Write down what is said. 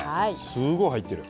すごい入ってる。